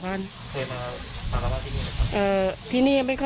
เคยมามาราวะที่นี่เหรอครับ